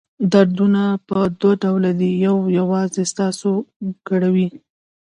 دردونه په دوه ډوله دي یو یوازې تاسو کړوي.